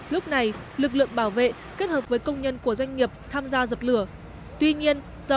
lúc này lực lượng bảo vệ kết hợp với công nhân của doanh nghiệp tham gia dập lửa